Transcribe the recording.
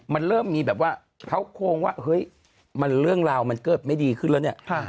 มันเริ่มมีแบบว่าเขาโครงว่าเฮ้ยมันเรื่องราวมันเกิดไม่ดีขึ้นแล้วเนี่ย